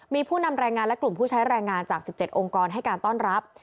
มีผู้นำแรงงานและกลุ่มผู้ใช้แรงงานจาก๑๗องค์กรให้การต้อนรับ